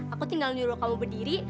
aku tinggal nyuruh kamu berdiri